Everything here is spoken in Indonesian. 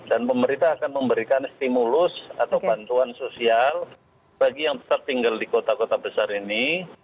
dan pemerintah akan memberikan stimulus atau bantuan sosial bagi yang tetap tinggal di kota kota besar ini